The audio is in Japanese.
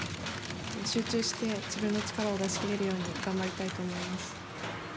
集中して自分の力を出し切れるように頑張りたいと思います。